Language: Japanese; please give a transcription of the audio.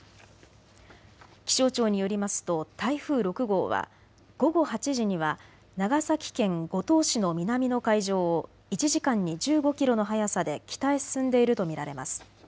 気象庁によりますと台風６号は午後８時には長崎県五島市の南の海上を１時間に１５キロの速さで北へ進んでいると見られます。